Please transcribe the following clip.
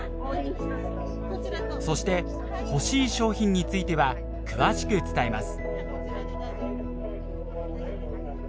そして欲しい商品については詳しく伝えます。